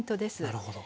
なるほど。